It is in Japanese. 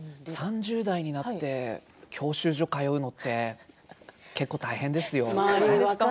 ３０代になって教習所に通うのって結構、大変ですよ。